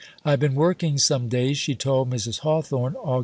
"I have been working some days," she told Mrs. Hawthorn (Aug.